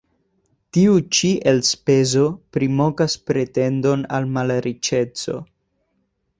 Tiu ĉi elspezo primokas pretendon al malriĉeco.